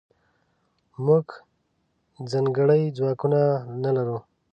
موږځنکړي ځواکونه نلرو